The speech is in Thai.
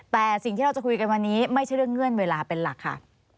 แต่สิ่งที่เราจะคุยกันวันนี้ไม่ใช่เรื่องเงื่อนเวลาเป็นหลักค่ะ